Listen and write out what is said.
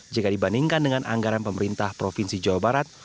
jika dibandingkan dengan anggaran pemerintah provinsi jawa barat